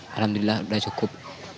alhamdulillah sudah cukup